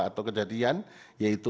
untuk kejadian yaitu